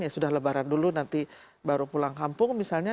ya sudah lebaran dulu nanti baru pulang kampung misalnya